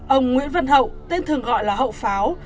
ông nguyễn văn hậu tên thường gọi là hậu pháo